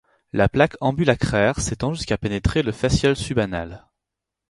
La plaque ambulacraire s'étend jusqu'à pénétrer le fasciole subanal.